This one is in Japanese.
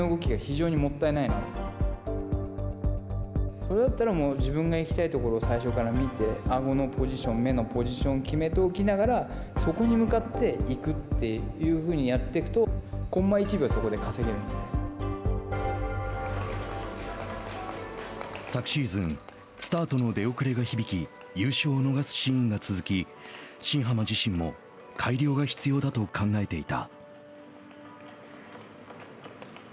それだったら自分が行きたいところを最初から見てあごのポジション目のポジションを決めておきながらそこに向かって行くというふうにやっていくと昨シーズン、スタートの出遅れが響き優勝を逃すシーンが続き新濱自身も改良が必要だと考えていた。